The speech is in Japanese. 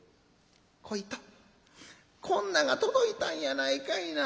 『小糸こんなんが届いたんやないかいな。